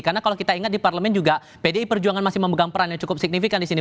karena kalau kita ingat di parlemen juga pdi perjuangan masih memegang peran yang cukup signifikan disini